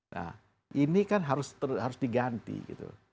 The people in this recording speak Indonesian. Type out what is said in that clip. nah ini kan harus diganti gitu